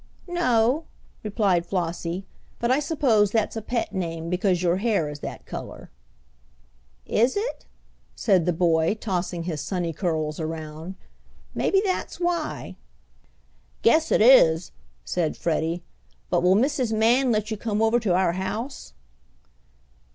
"No," replied Flossie. "But I suppose that's a pet name because your hair is that color." "Is it?" said the boy, tossing his sunny curls around. "Maybe that's why!" "Guess it is," said Freddie. "But will Mrs. Man let you come over to our house?"